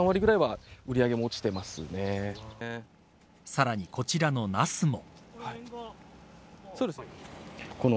さらに、こちらのナスも。